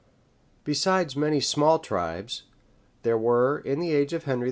Besides many small tribes, there were in the age of Henry II.